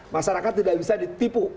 masyarakat tidak bisa ditipu